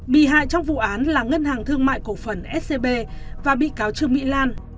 bị hại trong vụ án là ngân hàng thương mại cổ phần và bị cáo chương mỹ lan